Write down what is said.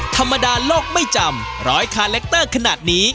ธรรมดาโลกไม่จำร้อยคาแรคเตอร์ขนาดนี้